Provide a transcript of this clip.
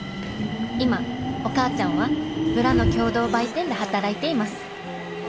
今お母ちゃんは村の共同売店で働いています。